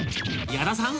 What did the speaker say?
矢田さん！